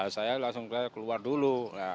saya langsung keluar dulu